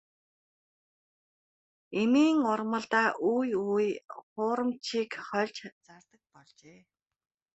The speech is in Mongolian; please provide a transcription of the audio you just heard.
Эмийн ургамалдаа үе үе хуурамчийг хольж зардаг болжээ.